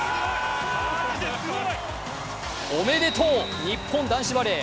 おめでとう、日本男子バレー。